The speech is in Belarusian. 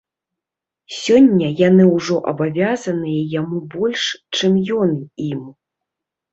Сёння яны ўжо абавязаныя яму больш, чым ён ім.